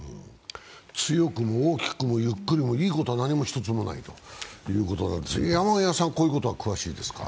強く、大きく、ゆっくりもいいことは何も一つもないですが山極さん、こういうことは詳しいですか？